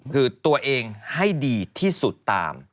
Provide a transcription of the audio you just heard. คือตัวเองให้ดีที่สุดตาม